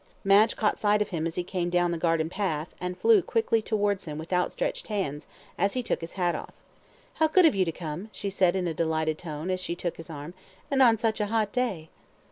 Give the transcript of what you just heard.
Madge caught sight of him as he came down the garden path, and flew quickly towards him with outstretched hands, as he took his hat off. "How good of you to come," she said, in a delighted tone, as she took his arm, "and on such a hot day."